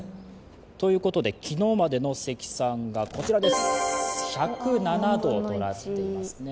ということで、昨日までの積算がこちらです、１０７度となっています。